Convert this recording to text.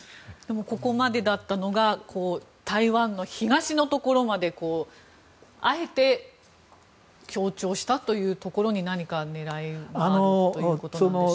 ここまでだったのが台湾の東のところまであえて強調したところに何か狙いがあるということでしょうか。